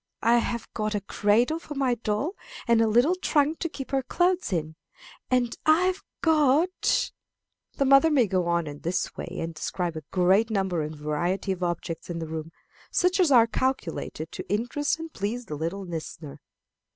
I have got a cradle for my doll, and a little trunk to keep her clothes in. And I have got " The mother may go on in this way, and describe a great number and variety of objects in the room, such as are calculated to interest and please the little listener.